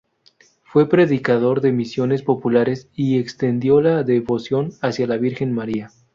Fue predicador de misiones populares y extendió la devoción hacia la Virgen María.